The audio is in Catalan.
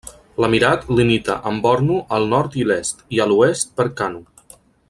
L'emirat limita amb Borno al nord i l'est i a l'oest per Kano.